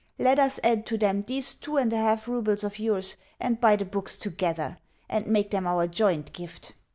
Let us add to them these two and a half roubles of yours, and buy the books together, and make them our joint gift."